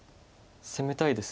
攻めたいです。